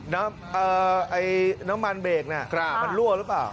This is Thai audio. น้ำมันเบรกน่ะมันรั่วหรือเปล่า